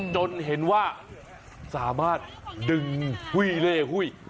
จนเห็นว่าสามารถดึงหุ้ยเล่หุ้ย